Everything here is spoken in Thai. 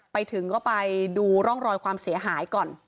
ไปถึงก็ไปดูร่องรอยความเสียหายก่อน